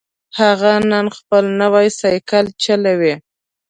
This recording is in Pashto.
هغه نن خپل نوی سایکل چلوي